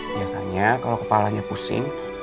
biasanya kalau kepalanya pusing